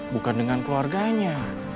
bukan dengan keluarganya